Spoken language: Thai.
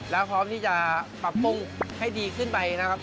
แล้วพร้อมที่จะปรับปรุงให้ดีขึ้นไปนะครับ